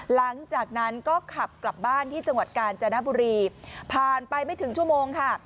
หลังจากนั้นก็ขับกลับบ้านที่จังหวัดกาญจนบุรีผ่านไปไม่ถึงชั่วโมงค่ะ